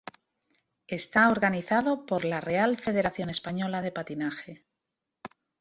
Está organizado por la Real Federación Española de Patinaje.